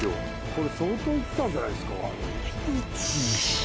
これ相当いったんじゃないですか緑川）